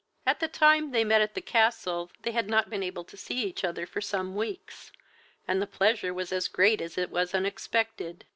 At the time they met at the Castle they had not been able to see each other for some weeks, and the pleasure was as great as it was unexpected.